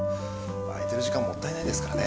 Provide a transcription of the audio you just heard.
空いてる時間もったいないですからね。